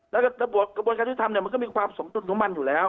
และกระบวนการตามก็มีความสมทุศมันอยู่แล้ว